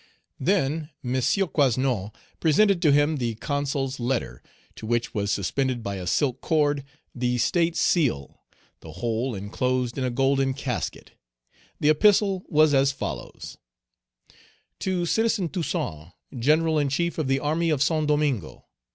Then M. Coasnon presented to him the Consul's letter, to which was suspended by a silk cord the State seal, the whole enclosed in a golden casket. The epistle was as follows: "TO CITIZEN TOUSSAINT, GENERAL IN CHIEF OF THE ARMY OF SAINT DOMINGO.